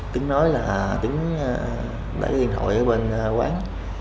tính nói là tính đẩy điện thoại ở bên quán